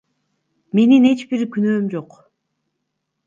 Менин эч бир күнөөм жок.